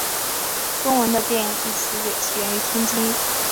中文的电影一词起源于天津。